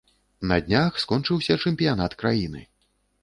На днях скончыўся чэмпіянат краіны.